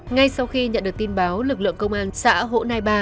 ngay sau khi nhận được tin báo lực lượng công an xã hồ nai ba